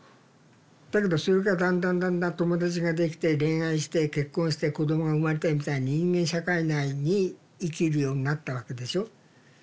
だけどそれがだんだんだんだん友達ができて恋愛して結婚して子供が生まれてみたいに人間社会内に生きるようになったわけでしょ。